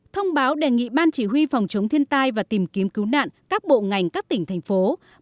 thông báo đề nghị ban chỉ huy phòng chống thiên tai và tìm kiếm cứu nạn các bộ ngành các tỉnh thành phố